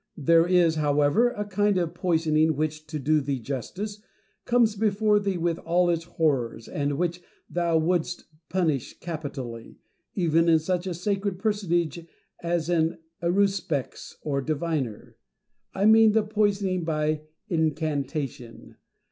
There is, however, a kind of poisoning which, to do thee justice, comes before thee with all its horrors, and which thou wouldst punish capitally, even in such a sacred personage as an aruspex or diviner : I mean the poisoning by incantation.